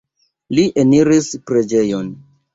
Li eniris preĝejon.